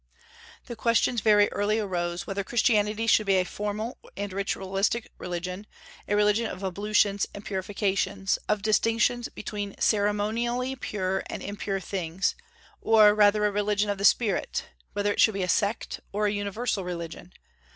The question very early arose, whether Christianity should be a formal and ritualistic religion, a religion of ablutions and purifications, of distinctions between ceremonially pure and impure things, or, rather, a religion of the spirit; whether it should be a sect or a universal religion.